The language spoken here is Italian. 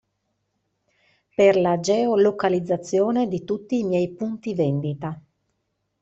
Per la geo-localizzazione di tutti i miei punti vendita.